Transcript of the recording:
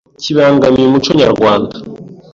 kibangamiye umuco nyarwanda